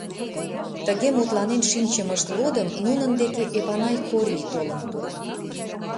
Тыге мутланен шинчымышт годым нунын деке Эпанай Кори толын пура.